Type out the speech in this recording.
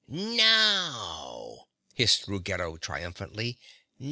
"Now!" hissed Ruggedo triumphantly.